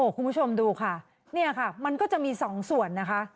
คุณผู้ชมดูค่ะเนี่ยค่ะมันก็จะมีสองส่วนนะคะ